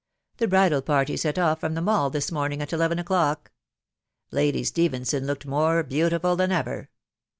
The bridal party set off from the Mall this morning at eleven o'clock. Lady Stephenson looked •more beautiful than ever."